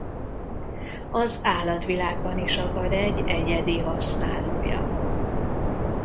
Az állatvilágban is akad egy egyedi használója.